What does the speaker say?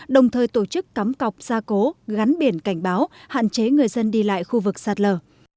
đồng thời tổ chức cắm cọc gia cố gắn biển cảnh báo hạn chế người dân đi lại khu vực sạt lở